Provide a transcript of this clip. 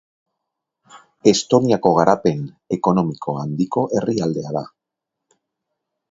Estoniako garapen ekonomiko handiko herrialdea da.